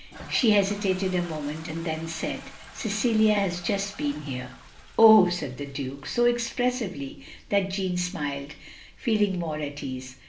She hesitated a moment, and then said, "Cecilia has just been here." "Oh!" said the Duke, so expressively that Jeanne smiled, feeling more at ease.